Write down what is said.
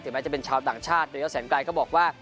หรือแม้จะเป็นชาวต่างชาติโดยยอดแสงไกรก็บอกว่า